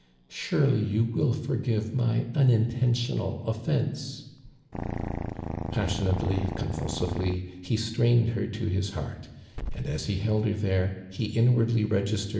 Surely you will forgive my unintentional offence?" Passionately, convulsively he strained her to his heart, and as inwardly registered would he grieve.